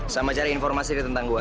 sama cari informasi tentang gua